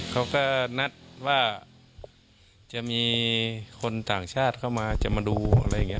เขาก็นัดว่าจะมีคนต่างชาติเข้ามาจะมาดูอะไรอย่างนี้